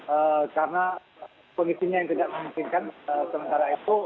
ee karena kondisinya yang tidak memungkinkan sementara itu